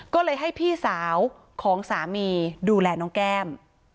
ก็เลยให้พี่สาวของสามีดูแลน้องแก้ม